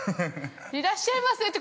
いらっしゃいませって